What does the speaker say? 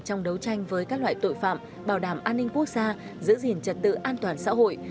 trong đấu tranh với các loại tội phạm bảo đảm an ninh quốc gia giữ gìn trật tự an toàn xã hội